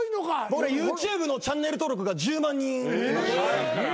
僕らＹｏｕＴｕｂｅのチャンネル登録が１０万人。